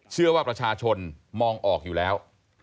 เชื่อว่าประชาชนมองออกอยู่แล้ว